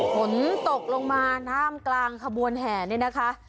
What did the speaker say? ฝนตกลงมาท่ามกลางขบวนแห่เนี่ยนะคะ